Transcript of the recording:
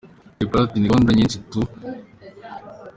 Jay Polly ati: “Ni gahunda nyinshi tu.